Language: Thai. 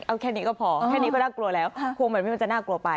เอาแค่นี้ก็พอแค่นี้ก็น่ากลัวแล้วควงแบบนี้มันจะน่ากลัวไป